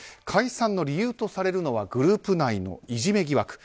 解散の理由とされるのはグループ内のいじめ疑惑。